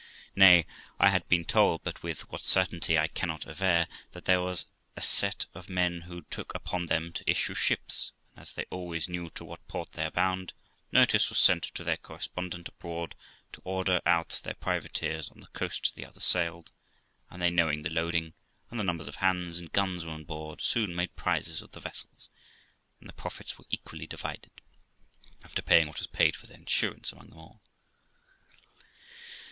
Nay, I had been told, but with what certainty I cannot aver, that there was a set of men who took upon them to issue ships, and as they always knew to what port they are bound, notice was sent to their correspondent abroad to order out their privateers on the coast the other sailed, and they knowing the loading, and the numbers of hands and guns were on board, soon made prizes of the vessels, and the profits were equally divided, after paying what was paid for their insurance, among them all.